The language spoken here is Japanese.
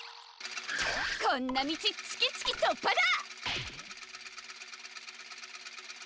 こんなみちチキチキとっぱだ！